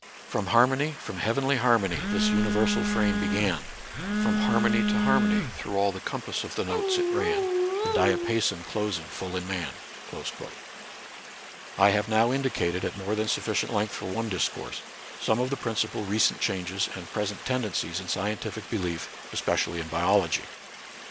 From harmony, from heavenly harmony, This universal frame began, From harmony to harmony Through all the compass of the notes it ran, The diapason closing full in man." I have now indicated, at more than sufficient length for one discourse, some of the principal recent changes and present tendencies in scien tific belief, especially in biology.